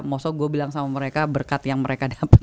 maksudnya gue bilang sama mereka berkat yang mereka dapat